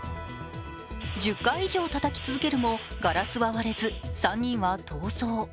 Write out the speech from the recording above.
１０回以上たたき続けるも、ガラスは割れず、３人は逃走。